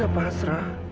aku akan menangis